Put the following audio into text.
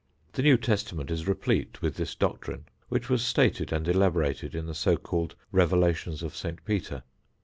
The New Testament is replete with this doctrine, which was stated and elaborated in the so called "Revelations of St. Peter."